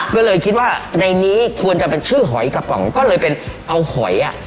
ก็เลยคิดว่าในนี้ควรจะเป็นชื่อหอยกระป๋องก็เลยเป็นเอาหอยอ่ะ